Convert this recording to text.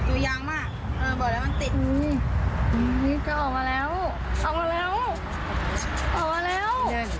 ดูยังมากเอามาแล้วออกมาแล้วออกมาแล้วออกมาแล้ว